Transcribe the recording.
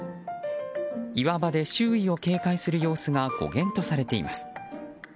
岩場で周囲を警戒する様子が語源とされています。